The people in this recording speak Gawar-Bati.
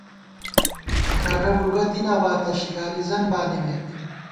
ڈگہ ڈُوگہ دی نہ باتہ ، شِگالی زَن بانِمېت